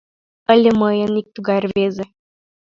Ыле мыйын ик тугай рвезе.